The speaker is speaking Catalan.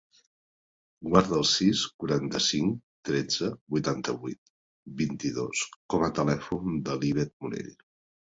Guarda el sis, quaranta-cinc, tretze, vuitanta-vuit, vint-i-dos com a telèfon de l'Ivet Morell.